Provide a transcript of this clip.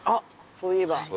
そういえば。